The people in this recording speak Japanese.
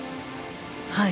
はい。